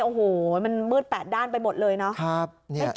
โอ้โหมันมืด๘ด้านไปหมดเลยเนาะ